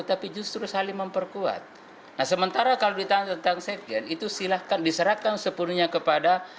tapi justru saling memperkuat nah sementara kalau ditanya tentang sekjen itu silahkan diserahkan sepenuhnya kepada